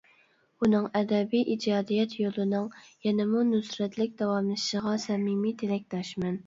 ئۇنىڭ ئەدەبىي ئىجادىيەت يولىنىڭ يەنىمۇ نۇسرەتلىك داۋاملىشىشىغا سەمىمىي تىلەكداشمەن.